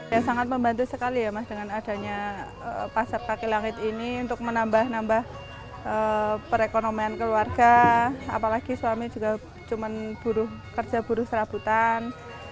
ya sangat membantu sekali ya mas dengan adanya pasar kaki langit ini untuk menambah nambah perekonomian keluarga apalagi suami juga cuma kerja buruh serabutan